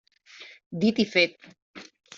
Dit i fet.